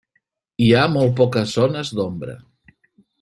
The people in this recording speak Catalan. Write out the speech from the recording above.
Hi ha molt poques zones d'ombra.